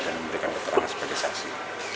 dan memberikan keperangan sebagai saksi